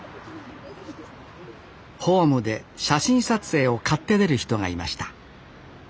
ホームで写真撮影を買って出る人がいました。